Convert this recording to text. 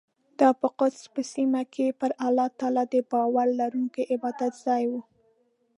دا په قدس په سیمه کې پر الله تعالی د باور لرونکو عبادتځای و.